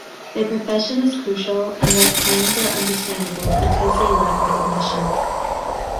Their profession is crucial and their claims are understandable because they lack recognition.